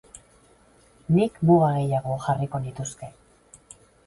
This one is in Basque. Nik muga gehiago jarriko nituzke.